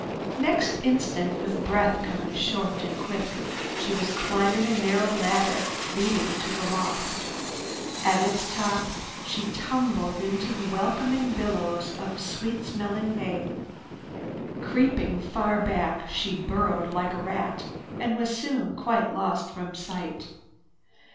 Next instant, with breath coming short and quick, she was climbing a narrow ladder leading to the loft. At its top she tumbled into the welcoming billows of sweet smelling hay. Creeping far back, she burrowed like a rat and was soon quite lost from sight.